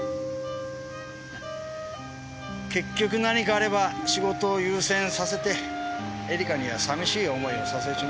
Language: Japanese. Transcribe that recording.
結局何かあれば仕事を優先させて絵梨華には寂しい思いをさせちまう。